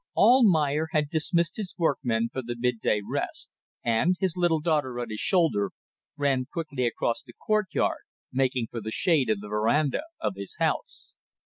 Almayer had dismissed his workmen for the midday rest, and, his little daughter on his shoulder, ran quickly across the courtyard, making for the shade of the verandah of his house.